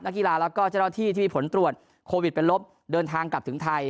กีฬาแล้วก็เจ้าหน้าที่ที่มีผลตรวจโควิดเป็นลบเดินทางกลับถึงไทย